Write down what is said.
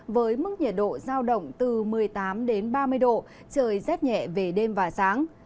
với mức nhiệt độ giao động từ một mươi tám đến ba mươi độ trời rét nhẹ về đêm và sáng